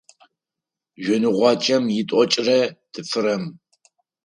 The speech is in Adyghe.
Жъоныгъуакӏэм итӏокӏрэ тфырэм.